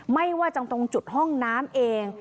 ไม่ว่าจะตรงจุดห้องน้ำเอง